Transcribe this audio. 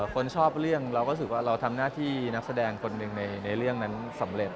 คนชอบเรื่องเราก็รู้สึกว่าเราทำหน้าที่นักแสดงคนหนึ่งในเรื่องนั้นสำเร็จ